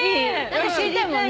知りたいもんね？